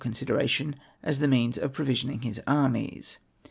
consideration, as the means of provisioning his armies.